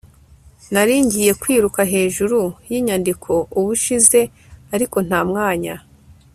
nari ngiye kwiruka hejuru yinyandiko ubushize, ariko nta mwanya